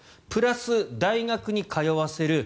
プラス、大学に通わせる。